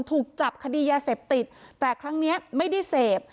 ถูกจับคดียาเสพติดแต่ครั้งนี้ไม่ได้เสพ